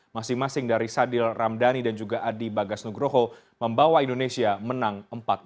masing masing dari sadil ramdhani dan juga adi bagasnugroho membawa indonesia menang empat